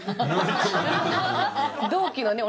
同期のね